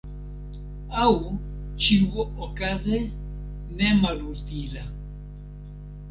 Aŭ, ĉiuokaze, nemalutila.